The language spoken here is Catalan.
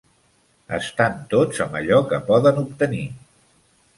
Estan tots amb allò que poden obtenir.